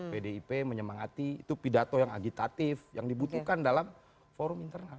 pdip menyemangati itu pidato yang agitatif yang dibutuhkan dalam forum internal